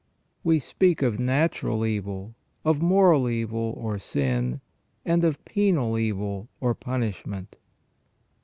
We speak of natural evil ; of moral evil, or sin ; and of penal evil, or punishment.